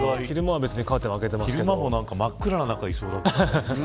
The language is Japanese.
昼間も真っ暗な中いそうだけど。